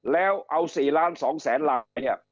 แล้วเอา๔ล้าน๒แสนลาย